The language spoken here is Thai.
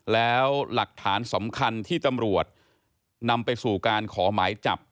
แล้วหลักฐานสำคัญที่ตำรวจนำไปสู่การขอหมายจับ